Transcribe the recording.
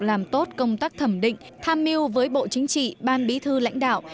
làm tốt công tác thẩm định tham mưu với bộ chính trị ban bí thư lãnh đạo